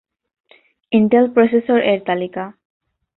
Intel processor এর তালিকা